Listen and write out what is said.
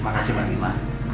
makasih mbak rima